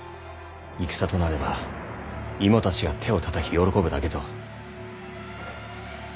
「戦となれば芋たちが手をたたき喜ぶだけ」と。